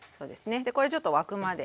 これちょっと沸くまで。